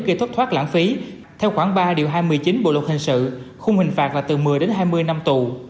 gây thất thoát lãng phí theo khoảng ba điều hai mươi chín bộ luật hình sự khung hình phạt là từ một mươi đến hai mươi năm tù